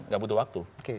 tidak butuh waktu